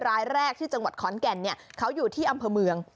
รายแรกที่จังหวัดขอนแก่นเขาอยู่ที่อำเภอเมือง